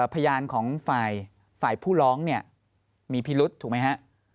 พยานของฝ่ายผู้ร้องมีพิรุษถูกไหมครับ